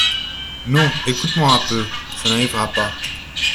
Non, écoute-moi un peu. Ça n’arrivera pas.